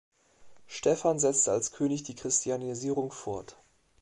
Stephan setzte als König die Christianisierung fort.